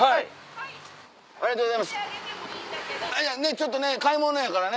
ちょっとね買い物やからね。